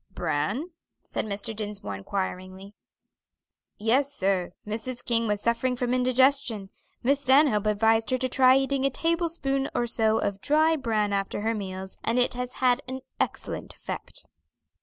"Bran?" said Mr. Dinsmore inquiringly. "Yes, sir; Mrs. King was suffering from indigestion; Miss Stanhope advised her to try eating a tablespoonful or so of dry bran after her meals, and it has had an excellent effect."